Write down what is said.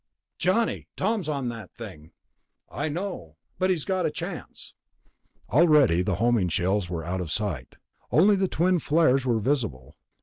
"Johnny, Tom's on ... that thing...." "I know. But he's got a chance." Already the homing shells were out of sight; only the twin flares were visible.